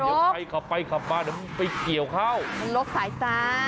เดี๋ยวใครขับไปขับมาเดี๋ยวมันไปเกี่ยวเข้ามันลบสายตา